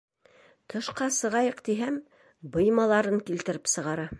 Тышҡа сығайыҡ тиһәм, быймаларын килтереп сығара.